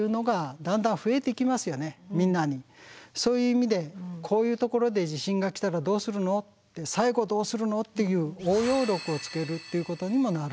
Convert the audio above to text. そういう意味で「こういうところで地震が来たらどうするの？」って「最後どうするの？」っていう応用力をつけるっていうことにもなるんですよね。